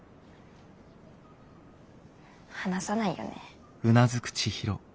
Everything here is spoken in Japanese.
話さないよね。